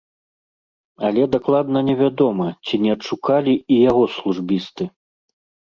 Але дакладна невядома, ці не адшукалі і яго службісты.